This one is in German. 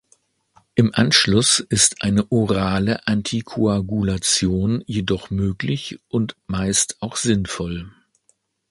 Im Anschluss ist eine orale Antikoagulation jedoch möglich und meist auch sinnvoll.